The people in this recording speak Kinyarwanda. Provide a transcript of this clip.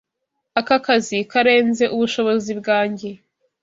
Aka kazi karenze ubushobozi bwanjye.